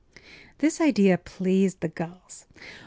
” This idea pleased the gulls.